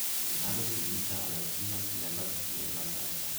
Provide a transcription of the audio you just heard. El venado se guisa a las finas hierbas y en la salsa.